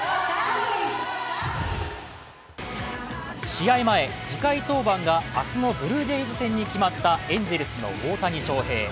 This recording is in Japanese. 試合前、次回登板が明日のブルージェイズ戦に決まったエンゼルスの大谷翔平。